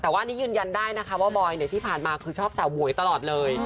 แต่ว่านี่ยืนยันได้นะคะว่าบอยที่ผ่านมาคือชอบสาวหมวยตลอดเลย